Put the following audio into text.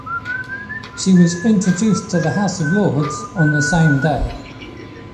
She was introduced to the House of Lords on the same day.